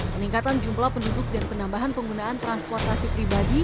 peningkatan jumlah penduduk dan penambahan penggunaan transportasi pribadi